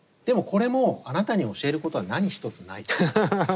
でもこれも「あなたに教えることは何一つない」。